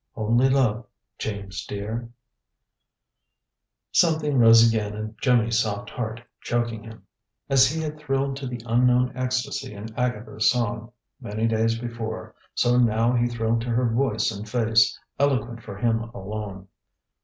"Only love, James, dear " Something rose again in Jimmy's soft heart, choking him. As he had thrilled to the unknown ecstasy in Agatha's song, many days before, so now he thrilled to her voice and face, eloquent for him alone.